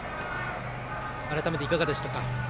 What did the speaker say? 改めて、いかがでしたか？